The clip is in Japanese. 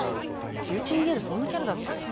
キウチンゲールそんなキャラだっけ？